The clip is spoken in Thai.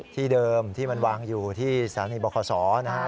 ที่เดิมที่มันวางอยู่ที่สถานีบคศนะครับ